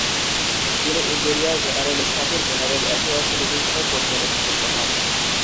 তিনি imperial general স্টাফের general affairs ডিভিশনের পরিচালক নিযুক্ত হন।